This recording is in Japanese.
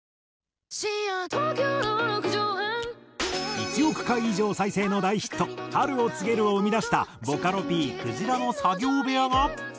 １億回以上再生の大ヒット『春を告げる』を生み出したボカロＰくじらの作業部屋が。